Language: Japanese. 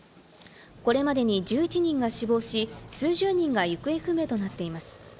これまでに１１人が死亡し、数十人が行方不明となっています。